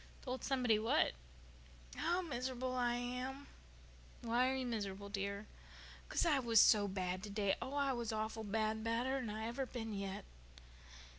"Told somebody what?" "How mis'rubul I am." "Why are you miserable, dear?" "'Cause I was so bad today, Anne. Oh, I was awful bad—badder'n I've ever been yet."